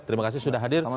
terima kasih sudah hadir